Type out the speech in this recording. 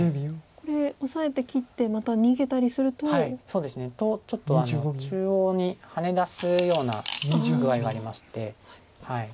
これオサえて切ってまた逃げたりすると。とちょっと中央にハネ出すような具合がありまして。